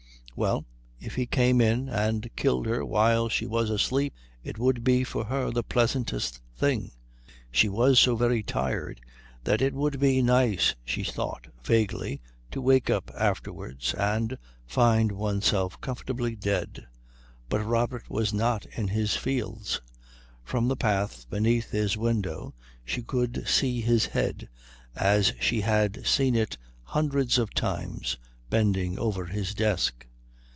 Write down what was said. Well, if he came in and killed her while she was asleep it would be for her the pleasantest thing; she was so very tired that it would be nice, she thought vaguely, to wake up afterwards, and find oneself comfortably dead. But Robert was not in his fields. From the path beneath his window she could see his head, as she had seen it hundreds of times, bending over his desk.